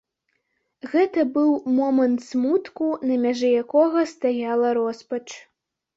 Гэта быў момант смутку, на мяжы якога стаяла роспач.